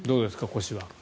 腰は。